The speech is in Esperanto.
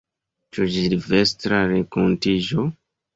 Ĉu Silvestra renkontiĝo?